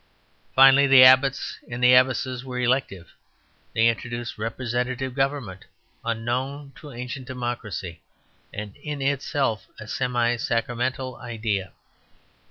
Finally, the abbots and abbesses were elective. They introduced representative government, unknown to ancient democracy, and in itself a semi sacramental idea.